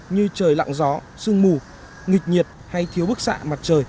như trời lặng gió sương mù nghịch nhiệt hay thiếu bức xạ mặt trời